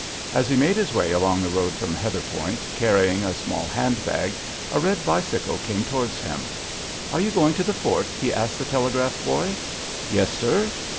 As he made his way along the road from Heatherpoint, carrying a small handbag, a red bicycle came towards him. "Are you going to the fort?" he asked the telegraph boy. "Yes, sir."